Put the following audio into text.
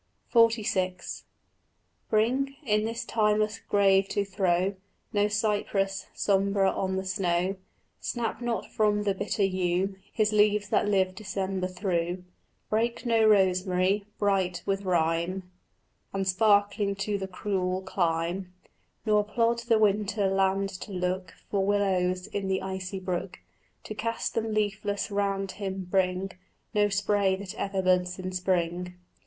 XLVI Bring, in this timeless grave to throw, No cypress, sombre on the snow; Snap not from the bitter yew His leaves that live December through; Break no rosemary, bright with rime And sparkling to the cruel clime; Nor plod the winter land to look For willows in the icy brook To cast them leafless round him: bring No spray that ever buds in spring.